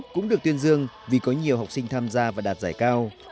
cũng được tuyên dương vì có nhiều học sinh tham gia và đạt giải cao